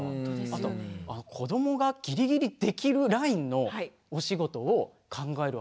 あと子どもがギリギリできるラインのお仕事を考える